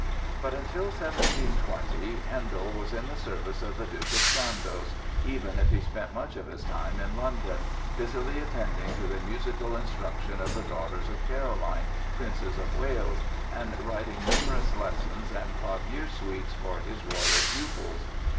But until 1720 Handel was in the service of the Duke of Chandos, even if he spent much of his time in London, busily attending to the musical instruction of the daughters of Caroline, Princess of Wales, and writing numerous "Lessons" and clavier suites for his royal pupils.